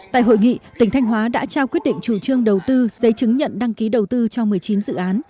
tại hội nghị tỉnh thanh hóa đã trao quyết định chủ trương đầu tư giấy chứng nhận đăng ký đầu tư cho một mươi chín dự án